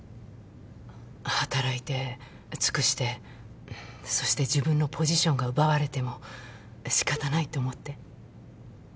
働いて尽くしてそして自分のポジションが奪われても仕方ないと思って。